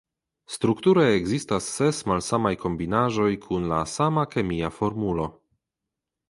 Strukture ekzistas ses malsamaj kombinaĵoj kun la sama kemia formulo.